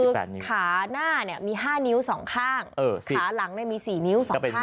คือขาหน้ามี๕นิ้ว๒ข้างขาหลังมี๔นิ้ว๒ข้าง